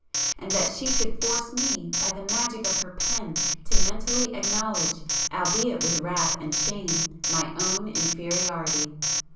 And that she should force me, by the magic of her pen to mentally acknowledge, albeit with wrath and shame, my own inferiority!